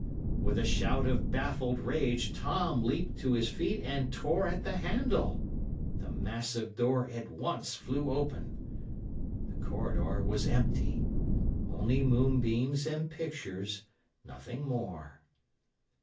With a shout of baffled rage, Tom leaped to his feet and tore at the handle. The massive door at once flew open. The corridor was empty—only moonbeams and pictures—nothing more.